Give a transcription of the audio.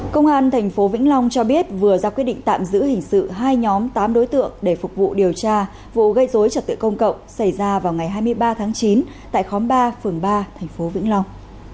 công an tp vĩnh long cho biết vừa ra quyết định tạm giữ hình sự hai nhóm tám đối tượng để phục vụ điều tra vụ gây dối trật tự công cộng xảy ra vào ngày hai mươi ba tháng chín tại khóm ba phường ba tp vĩnh long